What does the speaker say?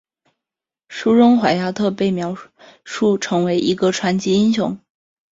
书中怀亚特被描述成为一个传奇英雄。